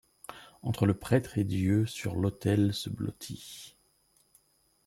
Entre le prêtre et Dieu sur l’autel se blottit.